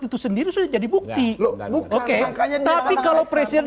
itu sendiri sudah jadi bukti oke tapi kalau presiden